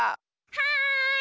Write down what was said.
はい！